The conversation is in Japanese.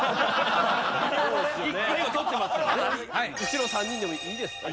後ろ３人でもいいですか？